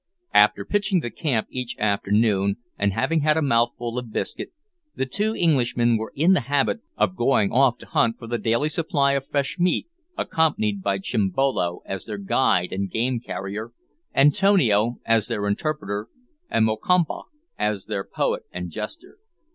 After pitching the camp each afternoon, and having had a mouthful of biscuit, the two Englishmen were in the habit of going off to hunt for the daily supply of fresh meat accompanied by Chimbolo as their guide and game carrier, Antonio as their interpreter, and Mokompa as their poet and jester.